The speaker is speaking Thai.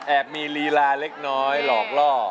มีลีลาเล็กน้อยหลอกล่อ